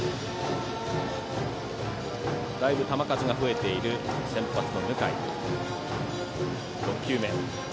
だいぶ球数が増えている先発の向井。